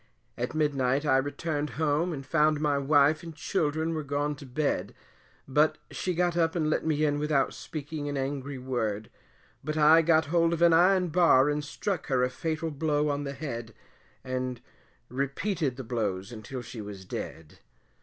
At midnight I returned home and found my wife and children were gone to bed, but she got up and let me in without speaking an angry word; but I got hold of an iron bar and struck her a fatal blow on the head, and repeated the blows until she was dead.